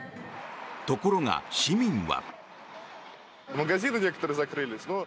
ところが、市民は。